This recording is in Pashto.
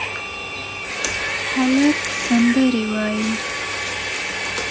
هلک سندرې وايي